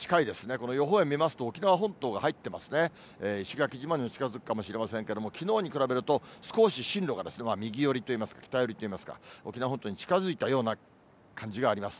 この予報円見ますと沖縄本島が入ってますね、石垣島に近づくかもしれませんけれども、きのうに比べると少し進路が右寄りといいますか、北寄りといいますか、沖縄本島に近づいたような感じがあります。